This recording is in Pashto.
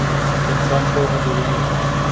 انسان پوهه ډېروي